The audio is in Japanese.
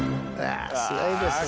あすごいですね。